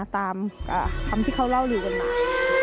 ตามคำที่เขาเล่าลือกันมา